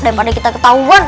daripada kita ketahuan